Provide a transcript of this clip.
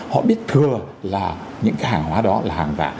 họ biết thừa là những cái hàng hóa đó là hàng giả